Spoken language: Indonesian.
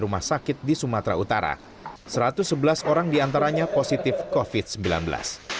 rumah sakit di sumatera utara satu ratus sebelas orang diantaranya positif dan positif dari kondisi yang terkenal di sumatera utara